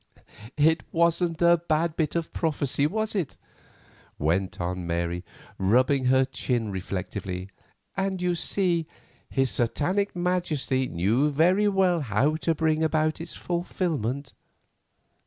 "It wasn't a bad bit of prophecy, was it?" went on Mary, rubbing her chin reflectively, "and you see his Satanic Majesty knew very well how to bring about its fulfilment.